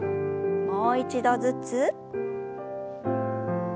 もう一度ずつ。